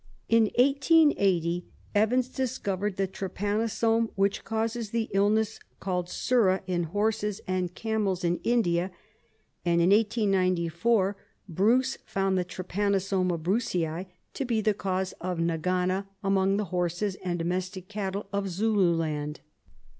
In 1880 Evans discovered the trypanosome which causes the illness called surra in horses and camels in India, and in 1894 Bruce found the Trypanosoma hrucei to be the cause of nagana amongst the horses and domestic cattle of Zulu land.